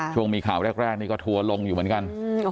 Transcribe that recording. ช่วงมีข่าวแรกนี่ก็ทัวร์ลงอยู่เหมือนกัน